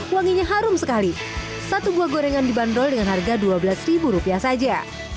wanginya harum sekali satu buah gorengan dibanderol dengan harga dua belas rupiah saja